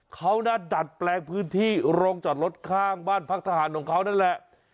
เขานะดัดแปลงพื้นที่โรงจอดรถข้างบ้านพักทหารของเขานั่นแหละ